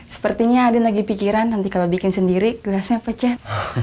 sepertinya adin lagi pikiran nanti kalau bikin sendiri gelasnya pece